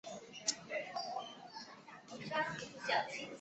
修私摩古印度摩揭陀国的王子。